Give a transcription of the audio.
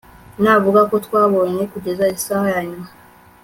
navuga ko twakubonye, kugeza isaha yanyuma